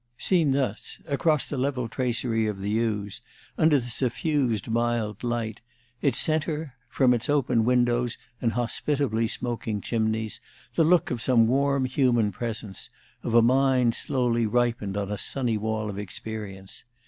Seen thus, across the level tracery of the yews, under the suffused, mild light, it sent her, from its open windows and hospitably smoking chimneys, the look of some warm human presence, of a mind slowly ripened on a sunny wall of experience.